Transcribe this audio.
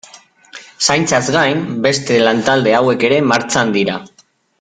Zaintzaz gain, beste lantalde hauek ere martxan dira.